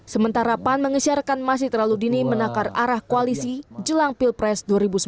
sementara pan mengisyarkan masih terlalu dini menakar arah koalisi jelang pilpres dua ribu sembilan belas